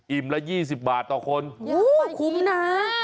อิ่มละ๒๐บาทต่อคนโอ้โหคุ้มน่ะ